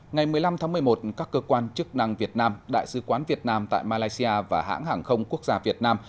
ngày một mươi năm tháng một mươi một các cơ quan chức năng việt nam đại sứ quán việt nam tại malaysia và hãng hàng không quốc gia việt nam